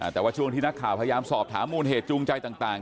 แต่ว่าช่วงที่นักข่าวพยายามสอบถามมูลเหตุจูงใจต่าง